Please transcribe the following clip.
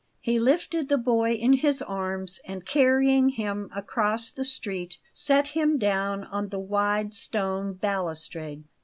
He lifted the boy in his arms, and, carrying him across the street, set him down on the wide stone balustrade.